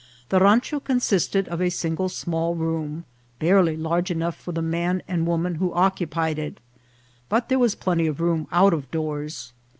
The rancho contained a single small room, barely large enough for the man and woman who occupied it but there was plenty of room out of doors.